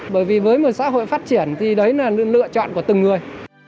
bởi vì với một xã hội phát triển thì đấy là lựa chọn của từng người